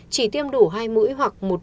chỉ tiêm đủ hai mũi hoặc một mũi